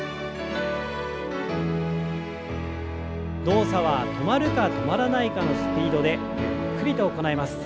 動作は止まるか止まらないかのスピードでゆっくりと行います。